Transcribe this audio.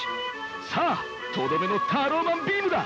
さあとどめのタローマンビームだ！